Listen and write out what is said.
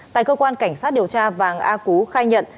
tại cơ quan cảnh sát điều tra vàng a cú khai nhận